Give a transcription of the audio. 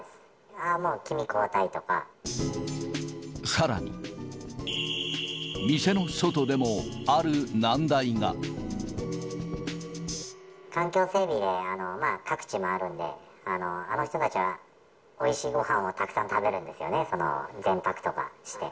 ああ、もう君、さらに、店の外でもある難題環境整備で各地回るんで、あの人たちは、おいしいごはんをたくさん食べるんですよね、前泊とかして。